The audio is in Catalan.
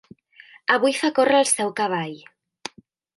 Avui fa córrer el seu cavall.